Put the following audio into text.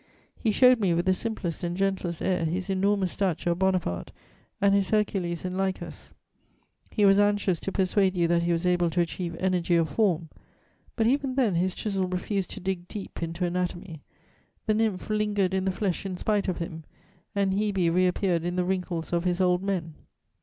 He showed me, with the simplest and gentlest air, his enormous statue of Bonaparte and his Hercules and Lichas: he was anxious to persuade you that he was able to achieve energy of form; but even then his chisel refused to dig deep into anatomy; the nymph lingered in the flesh in spite of him, and Hebe reappeared in the wrinkles of his old men.